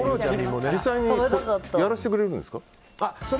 実際にやらせてくれるんですか？